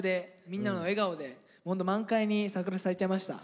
みんなの笑顔でホント満開に桜咲いちゃいました。